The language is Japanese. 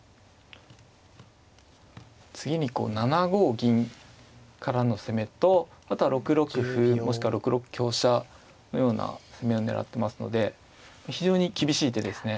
次にこう７五銀からの攻めとあとは６六歩もしくは６六香車のような攻めを狙ってますので非常に厳しい手ですね。